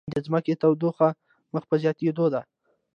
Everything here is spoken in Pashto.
د ځمکې تودوخه مخ په زیاتیدو ده